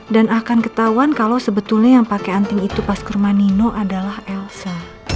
dan akan ketahuan kalau sebetulnya yang pakai andin itu pas ke rumah nino adalah elsa